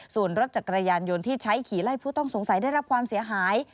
ส่วนรถจักรยานยนต์ที่ใช้ขี่ไล่ผู้ต้องสงสัยได้รับความเสียหาย